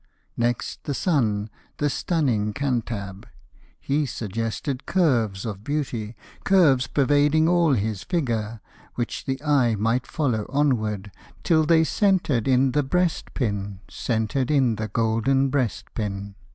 Next the Son, the Stunning Cantab: He suggested curves of beauty, Curves pervading all his figure, Which the eye might follow onward, Till they centered in the breast pin, Centered in the golden breast pin.